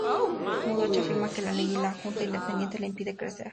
Murdoch afirma que la ley y la junta independiente le impiden ejercer control editorial.